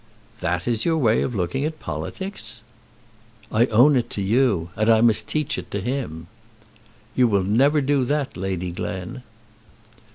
"That is your way of looking at politics?" "I own it to you; and I must teach it to him." "You never will do that, Lady Glen."